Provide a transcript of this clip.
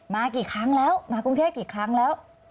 มากี่ครั้งแล้วมากรุงเทพกี่ครั้งแล้ว